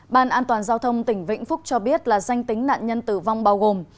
ban an toàn giao thông tỉnh vĩnh phúc cho biết là danh tính nạn nhân tử vong bao gồm